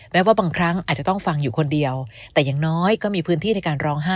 ว่าบางครั้งอาจจะต้องฟังอยู่คนเดียวแต่อย่างน้อยก็มีพื้นที่ในการร้องไห้